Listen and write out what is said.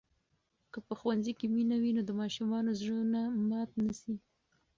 که په ښوونځي کې مینه وي، نو د ماشومانو زړونه مات نه سي.